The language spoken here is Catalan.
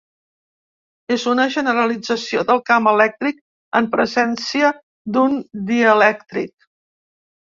És una generalització del camp elèctric en presència d'un dielèctric.